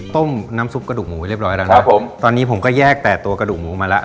ต้มน้ำซุปกระดูกหมูไว้เรียบร้อยแล้วนะครับผมตอนนี้ผมก็แยกแต่ตัวกระดูกหมูมาแล้ว